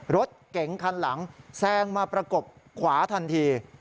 รถเก๋งคันหลังแซงมาประกบขวาทันที